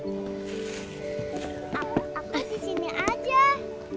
aku di sini aja